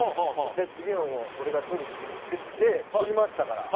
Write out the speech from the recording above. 次も俺が取ると言っていて取りましたから